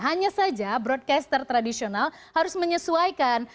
hanya saja broadcaster tradisional harus menyesuaikan